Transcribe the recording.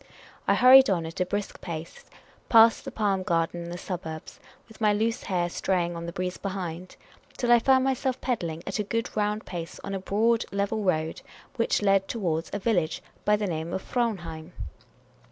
I hurried on at a brisk pace past the Palm garden and the suburbs, with my loose hair stray ing on the breeze behind, till I found myself pedalling at a good round pace on a broad, level road, which led towards a village, by name Fraunheim.